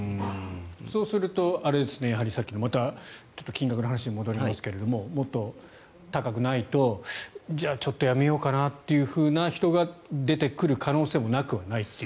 そうするとさっきの金額の話に戻りますがもっと高くないと、じゃあちょっとやめようかなって人が出てくる可能性もなくはないと。